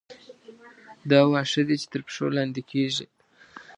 دا واښه دي چې تر پښو لاندې کېږي.